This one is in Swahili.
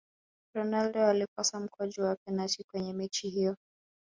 ronaldo alikosa mkwaju wa penati kwenye mechi hiyo